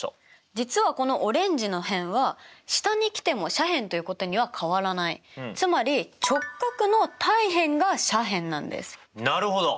実はこのオレンジの辺は下に来ても斜辺ということには変わらないつまりなるほど！